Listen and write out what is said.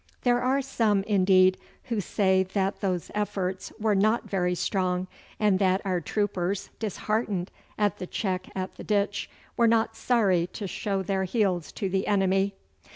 There are some, indeed, who say that those efforts were not very strong, and that our troopers, disheartened at the check at the ditch, were not sorry to show their heels to the enemy.